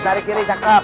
tari kiri cakep